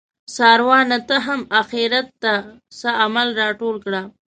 څاروانه ته هم اخیرت ته څه عمل راټول کړه